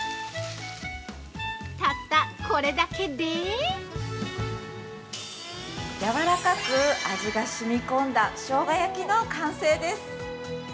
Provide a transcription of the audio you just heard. ◆たったこれだけで◆やわらかく、味がしみこんだしょうが焼きの完成です。